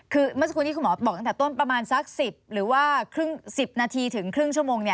คือเมื่อสักครู่นี้คุณหมอบอกตั้งแต่ต้นประมาณสัก๑๐หรือว่าครึ่ง๑๐นาทีถึงครึ่งชั่วโมง